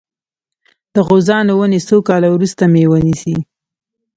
د غوزانو ونې څو کاله وروسته میوه نیسي؟